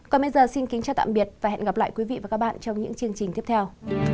còn bây giờ xin kính chào tạm biệt và hẹn gặp lại quý vị và các bạn trong những chương trình tiếp theo